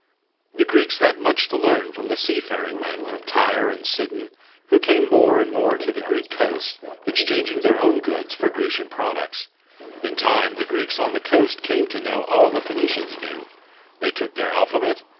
The Greeks had much to learn from the seafaring men from Tyre and Sidon, who came more and more to the Greek coasts, exchang ing their own goods for Grecian products. In 1 time the Greeks on the coast came to know all the Phoenicians knew: they took their alphabet